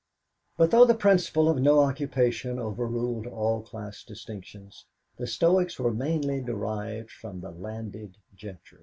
But though the principle of no occupation overruled all class distinctions, the Stoics were mainly derived from the landed gentry.